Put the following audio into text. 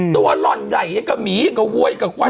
ตัวหล่อนไหล่กับหมีกับววยกับควัน